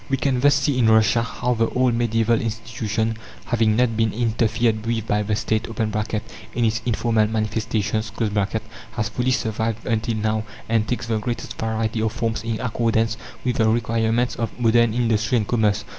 We can thus see in Russia how the old medieval institution, having not been interfered with by the State (in its informal manifestations), has fully survived until now, and takes the greatest variety of forms in accordance with the requirements of modern industry and commerce.